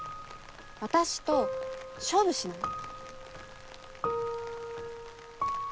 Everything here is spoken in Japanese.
私と勝負しない？